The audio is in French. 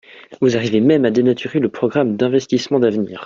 Vous arrivez même à dénaturer le programme d’investissement d’avenir.